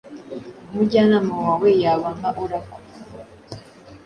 Umujyanama wawe yaba nka Oracle